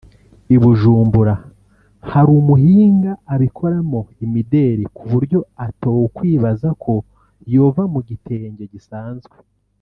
i Bujumbura hari umuhinga abikoramo imideli ku buryo atawokwibaza ko yova mu gitenge gisanzwe